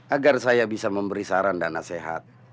agar saya bisa memberi saran dan nasihat